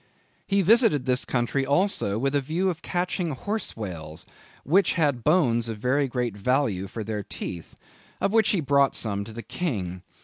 "He visited this country also with a view of catching horse whales, which had bones of very great value for their teeth, of which he brought some to the king....